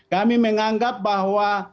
kami menganggap bahwa